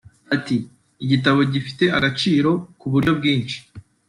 Ati “Igitabo gifite agaciro ku buryo bwinshi